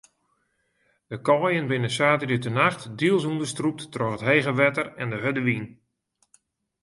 De kaaien binne saterdeitenacht diels ûnderstrûpt troch it hege wetter en de hurde wyn.